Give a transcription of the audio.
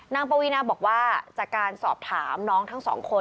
ปวีนาบอกว่าจากการสอบถามน้องทั้งสองคน